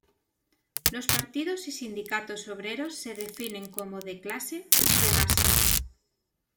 Los partidos y sindicatos obreros se definen como "de clase, de masas".